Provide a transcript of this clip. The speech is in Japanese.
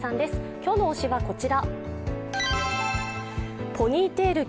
今日の推しは、こちら。